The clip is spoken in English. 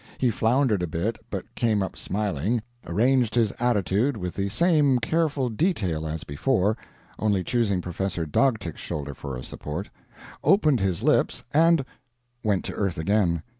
He floundered a bit, but came up smiling, arranged his attitude with the same careful detail as before, only choosing Professor Dogtick's shoulder for a support, opened his lips and Went to earth again.